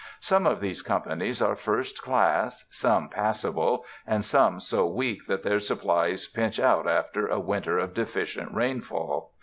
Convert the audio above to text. Some of these companies are first class, some passable, and some so weak that their supplies pinch out after a winter of deficient rainfall.